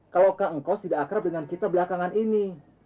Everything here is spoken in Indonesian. kalau kak engkos tidak akrab dengan kita belakangan ini